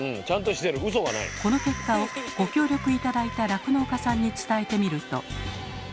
この結果をご協力頂いた酪農家さんに伝えてみると。